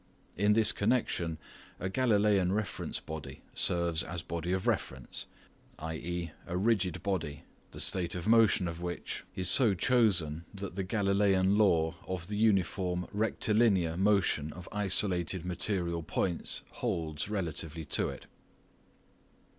In this connection a Galileian reference body serves as body of reference, i.e. a rigid body the state of motion of which is so chosen that the Galileian law of the uniform rectilinear motion of "isolated" material points holds relatively to it.